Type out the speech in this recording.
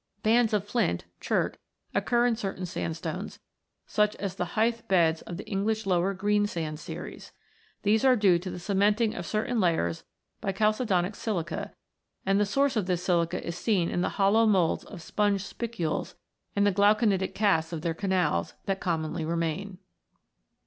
Bands of flint (chert) occur in certain sandstones, such as the Hythe Beds of the English Lower Greensand Series. These are due to the cementing of certain layers by chalcedonic silica, and the source of this silica is seen in the hollow moulds of sponge spicules, and the glauconitic casts of their canals, that commonly remain.